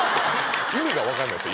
意味が分かんないです